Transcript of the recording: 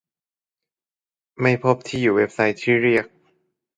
ไม่พบที่อยู่เว็บไซต์ที่เรียก